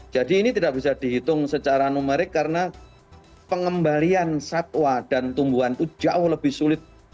jadi ini tidak bisa dihitung secara numerik karena pengembalian satwa dan tumbuhan itu jauh lebih sulit